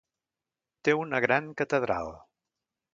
Té una gran catedral.